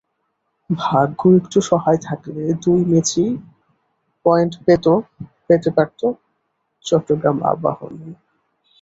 ভাগ্য একটু সহায় থাকলে দুই ম্যাচেই পয়েন্ট পেতে পারত চট্টগ্রাম আবাহনী।